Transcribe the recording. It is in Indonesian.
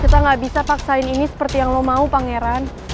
kita gak bisa paksain ini seperti yang lo mau pangeran